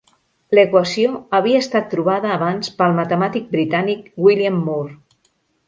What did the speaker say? L'equació havia estat trobada abans pel matemàtic britànic William Moore.